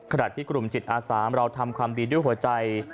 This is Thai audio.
ขณะที่กลุ่มจิตอาสามเราทำความดีด้วยหัวใจ